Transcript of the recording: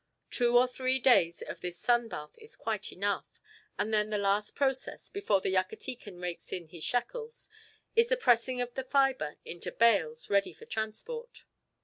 Two or three days of this sunbath is quite enough, and then the last process, before the Yucatecan rakes in his shekels, is the pressing of the fibre into bales ready for transport.